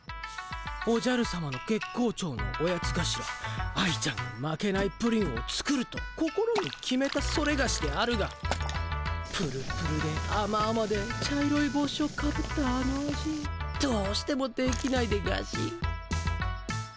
おじゃるさまの月光町のオヤツがしら愛ちゃんに負けないプリンを作ると心に決めたソレガシであるがぷるぷるであまあまで茶色いぼうしをかぶったあの味どうしてもできないでガシ。